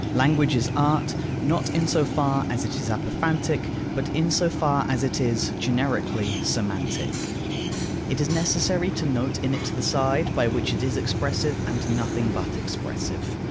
Language is art, not in so far as it is apophantic, but in so far as it is, generically, semantic. It is necessary to note in it the side by which it is expressive, and nothing but expressive.